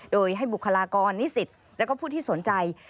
โดยให้บุคลากรนิสิตและผู้ที่สนใจ